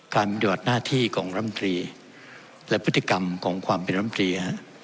ปฏิบัติหน้าที่ของรำตรีและพฤติกรรมของความเป็นรำตรี